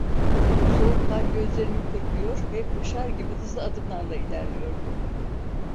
Soğuktan gözlerimi kırpıyor ve koşar gibi hızlı adımlarla ilerliyordum.